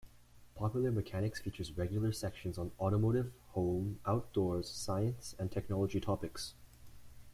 "Popular Mechanics" features regular sections on automotive, home, outdoors, science, and technology topics.